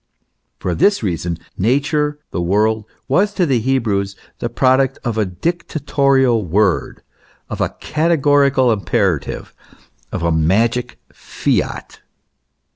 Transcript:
For this reason, Nature, the world, was to the Hebrews the product of a dictatorial word, of a categorical imperative, of a magic fiat.